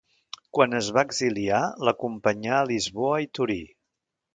Quan es va exiliar, l'acompanyà a Lisboa i Torí.